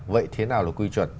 vậy thế nào là quy chuẩn